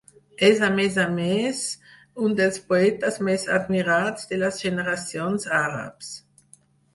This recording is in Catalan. És, a més a més, un dels poetes més admirats de les generacions àrabs.